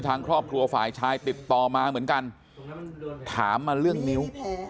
ทางครอบครัวฝ่ายชายติดต่อมาเหมือนกันถามมาเรื่องนิ้ว